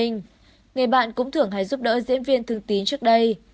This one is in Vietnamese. người bạn cũng thưởng hài giúp đỡ diễn viên thương tín trước đây